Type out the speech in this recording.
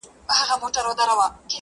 ما وېشلي هر یوه ته اقلیمونه-